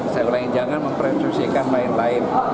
saya ulangi jangan memprediksikan lain lain